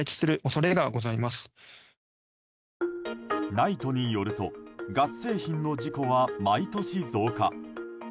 ＮＩＴＥによるとガス製品の事故は毎年増加。